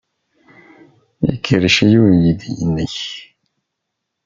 Ikerrec-iyi uydi-nnek.